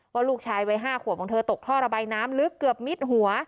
ว่าลูกชายวัย๕ขวบของเธอตกท่อระบายน้ำลึกเกือบมิดหัว